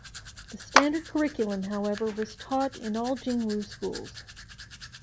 The standard curriculum, however, was taught in all Jing Wu schools.